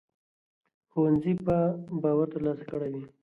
ښوونځي به باور ترلاسه کړی وي.